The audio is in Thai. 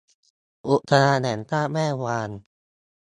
อุทยานแห่งชาติแม่วาง